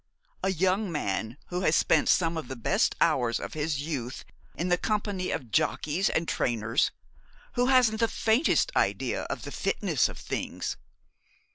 a young man who has spent some of the best hours of his youth in the company of jockeys and trainers who hasn't the faintest idea of the fitness of things.